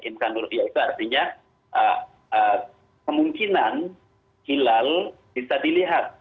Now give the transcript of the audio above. imkanul ru'yah itu artinya kemungkinan hilal bisa dilihat